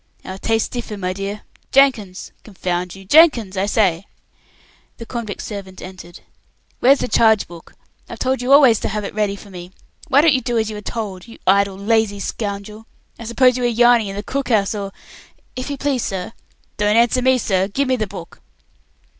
"Our tastes differ, my dear. Jenkins! Confound you! Jenkins, I say." The convict servant entered. "Where is the charge book? I've told you always to have it ready for me. Why don't you do as you are told? You idle, lazy scoundrel! I suppose you were yarning in the cookhouse, or " "If you please, sir." "Don't answer me, sir. Give me the book."